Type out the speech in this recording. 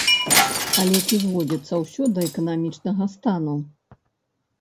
Але ці зводзіцца ўсё да эканамічнага стану?